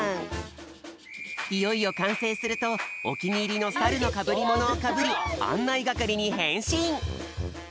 いよいよかんせいするとおきにいりのサルのかぶりものをかぶりあんないがかりにへんしん！